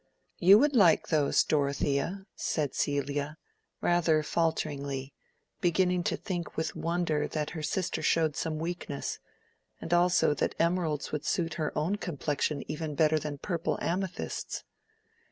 "You would like those, Dorothea," said Celia, rather falteringly, beginning to think with wonder that her sister showed some weakness, and also that emeralds would suit her own complexion even better than purple amethysts.